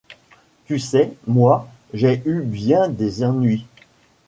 Tu sais, moi, j’ai eu bien des ennuis.